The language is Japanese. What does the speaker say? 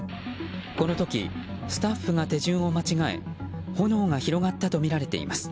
この時、スタッフが手順を間違え炎が広がったとみられています。